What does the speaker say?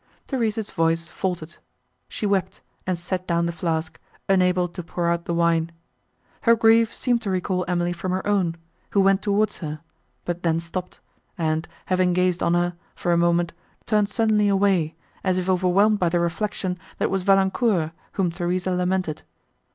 Theresa's voice faltered; she wept, and set down the flask, unable to pour out the wine. Her grief seemed to recall Emily from her own, who went towards her, but then stopped, and, having gazed on her, for a moment, turned suddenly away, as if overwhelmed by the reflection, that it was Valancourt, whom Theresa lamented.